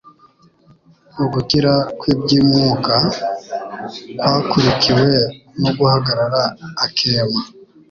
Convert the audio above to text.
Ugukira kw'iby'umwuka kwakurikiwe no guhagarara akema.